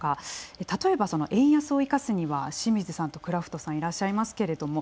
例えば円安を生かすには清水さんとクラフトさんいらっしゃいますけれども。